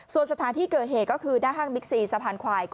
ส่วนสถานที่เกิดเหตุก็คือหน้าห้างบิ๊กซีสะพานควาย